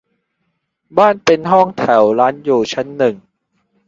บ้านเป็นห้องแถว ร้านอยู่ชั้นหนึ่ง